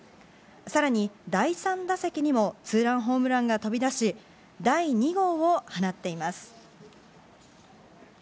さらに第３打席にもツーランホームランが飛び出し、第２号を放っています。